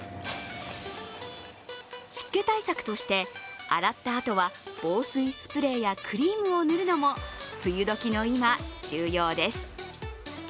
湿気対策として、洗ったあとは防水スプレーやクリームを塗るのも梅雨時の今、重要です。